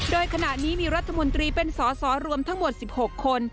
โดยขณะนี้มีรัฐมนตรีเป็นสอสอรวมทั้งหมด๑๖คน